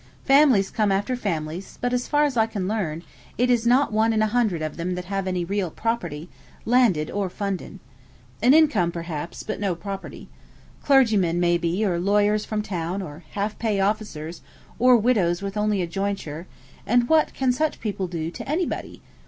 Families come after families, but, as far as I can learn, it is not one in a hundred of them that have any real property, landed or funded. An income, perhaps, but no property. Clergymen, may be, or lawyers from town, or half pay officers, or widows with only a jointure; and what good can such people do to anybody?